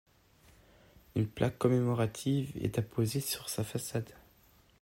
Une plaque commémorative est apposée sur sa façade.